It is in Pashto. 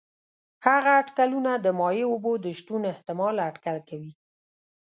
هغه اټکلونه د مایع اوبو د شتون احتمال اټکل کوي.